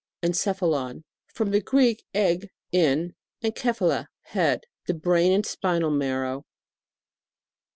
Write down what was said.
ENCEPHALON. From the Greek, eg, in, and kephale, head. The brain and spinal marrow.